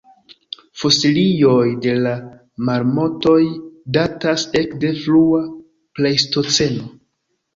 Fosilioj de la marmotoj datas ekde frua plejstoceno.